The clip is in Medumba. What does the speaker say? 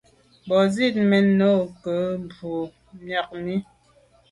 Mba zit mèn no nke mbù’ miag mi.